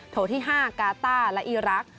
โถที่๕กาต้าและอีรักษ์